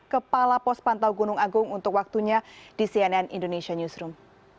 kepala pos pantau gunung agung untuk waktunya di cnn indonesia newsroom